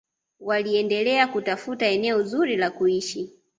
waliendelea kutafuta eneo zuri la kuishi